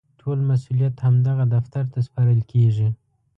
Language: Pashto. ټول مسوولیت همدغه دفتر ته سپارل کېږي.